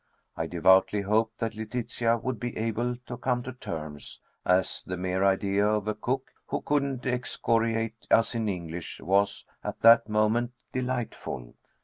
I devoutly hoped that Letitia would be able to come to terms, as the mere idea of a cook who couldn't excoriate us in English was, at that moment, delightful.